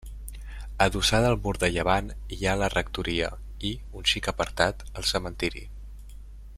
Adossada al mur de llevant, hi ha la rectoria, i, un xic apartat, el cementiri.